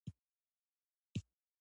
آیا چې څنګه په بندیزونو کې ژوند وکړو؟